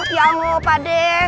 ya allah pade